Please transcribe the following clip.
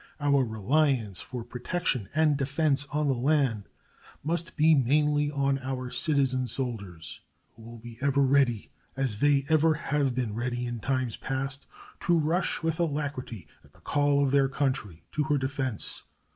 Our reliance for protection and defense on the land must be mainly on our citizen soldiers, who will be ever ready, as they ever have been ready in times past, to rush with alacrity, at the call of their country, to her defense.